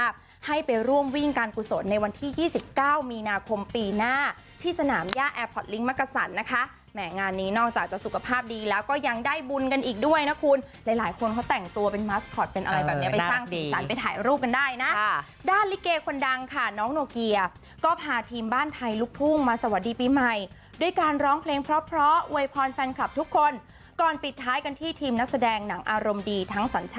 ถอดลิ้งค์มกสันนะคะแหมงานนี้นอกจากจะสุขภาพดีแล้วก็ยังได้บุญกันอีกด้วยนะคุณหลายคนเค้าแต่งตัวเป็นมาสคอตเป็นอะไรแบบนี้ไปสร้างสินสันไปถ่ายรูปกันได้นะด้านลิเกคนดังค่ะน้องโหนเกียร์ก็พาทีมบ้านไทยลูกพรุ้งมาสวัสดีปีใหม่ด้วยการร้องเพลงเพราะเพราะเวยพรแฟนคลับทุกคนก่อนปิดท้